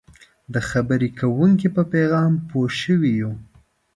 د خبرې کوونکي په پیغام پوه شوي یو.